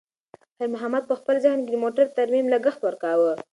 خیر محمد په خپل ذهن کې د موټر د ترمیم لګښت ورکاوه.